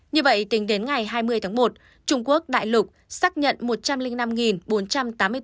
như vậy tính đến ngày hai mươi tháng một trung quốc đại lục xác nhận một trăm linh năm bốn trăm tám mươi ca